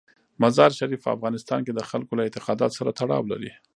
مزارشریف په افغانستان کې د خلکو له اعتقاداتو سره تړاو لري.